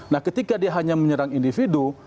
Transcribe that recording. nah ketika dia hanya menyerang individu